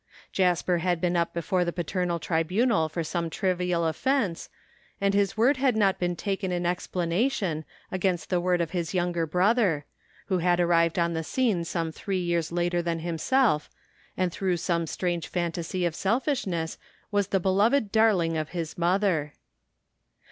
Jasper had been up before the paternal tribunal for some trivial offense, and his word had not been taken in explanation, against the word of his younger brother — who had arrived on the scene some three years later than himself, and through some strange fantasy of selfishness was the beloved darling of his mother.